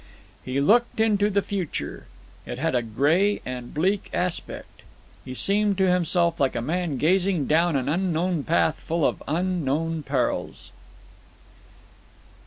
He looked into the future. It had a grey and bleak aspect. He seemed to himself like a man gazing down an unknown path full of unknown perils.